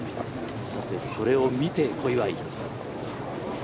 それを見て、小祝。